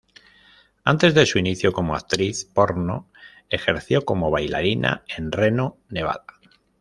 Antes de su inicio como actriz porno ejerció como bailarina en Reno, Nevada.